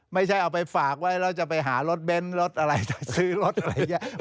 ไม่ใช่เอาไปฝากไว้แล้วจะไปหารถเบนท์รถอะไรจะซื้อรถอะไรอย่างนี้